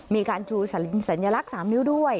มีการชูสัญลักษณ์๓นิ้วด้วย